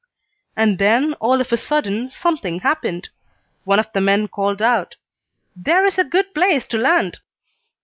And then, all of a sudden, something happened. One of the men called out: "There is a good place to land!"